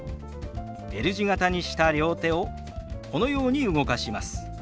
Ｌ字形にした両手をこのように動かします。